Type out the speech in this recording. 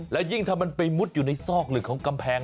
แล้วยิ่งถ้ามันไปมุดอยู่ในซอกหรือของกำแพง